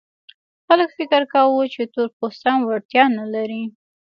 خلک فکر کاوه چې تور پوستان وړتیا نه لري.